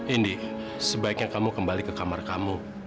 ini sebaiknya kamu kembali ke kamar kamu